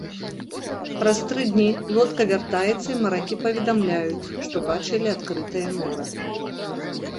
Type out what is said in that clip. Праз тры дні лодка вяртаецца і маракі паведамляюць, што бачылі адкрытае мора.